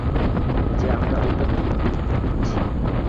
যে আমরা ওই তথ্যকে ব্লক করে দিচ্ছি।